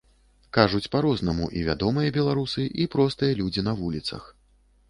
Кажуць па-рознаму і вядомыя беларусы, і простыя людзі на вуліцах.